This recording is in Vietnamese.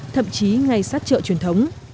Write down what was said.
thậm chí ngay sát trợ truyền thống